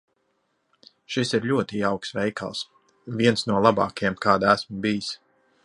Šis ir ļoti jauks veikals. Viens no labākajiem, kādā esmu bijis.